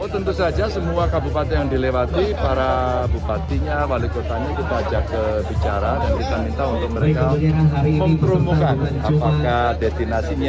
tentu saja semua kabupaten yang dilewati para bupatinya wali kotanya kita ajak ke bicara dan kita minta untuk mereka memperuntungkan apakah destinasi ini